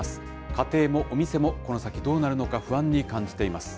家庭もお店もこの先どうなるのか不安に感じています。